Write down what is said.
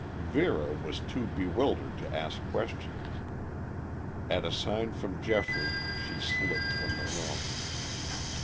Vera was too bewildered to ask questions. At a sign from Geoffrey she slipped from the room.